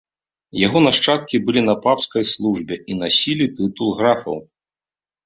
Яго нашчадкі былі на папскай службе і насілі тытул графаў.